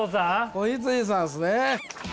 子羊さんすね。